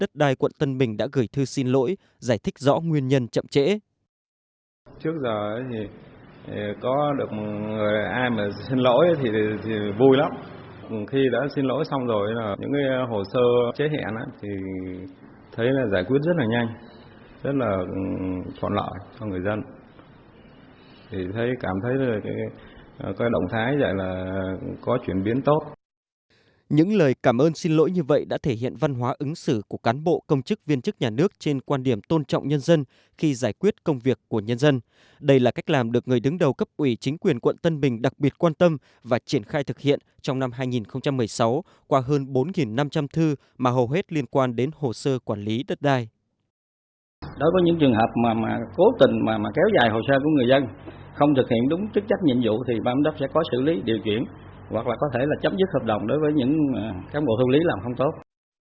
thì bán đốc sẽ có xử lý điều chuyển hoặc là có thể là chấm dứt hợp đồng đối với những cán bộ thu lý làm không tốt